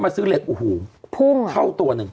มาซื้อเหล็กอู้หูเท่าตัวนึง